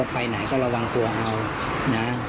ไปไหนก็ระวังตัวเอานะ